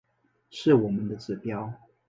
是我们的指标